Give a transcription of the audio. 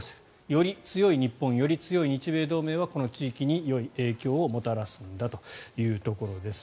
より強い日本より強い日米同盟は、この地域によい影響をもたらすんだということです。